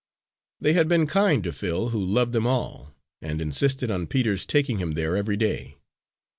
They had been kind to Phil, who loved them all, and insisted on Peter's taking him there every day.